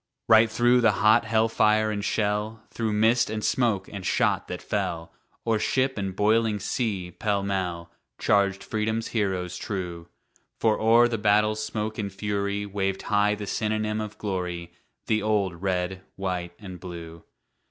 Right through the hot hell fire and shell, Through mist and smoke and shot that fell O'er ship and boiling sea, pell mell, Charged Freedom's heroes true. For o'er the battle's smoke and fury Waved high the synonym of glory, The old "Red, White and Blue."